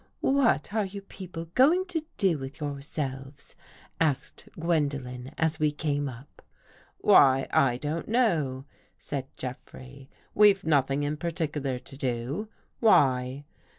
" What are you people going to do with your selves?" asked Gwendolen as we came up. "Why, I don't know," said Jeffrey. "We've nothing in particular to do? Why?"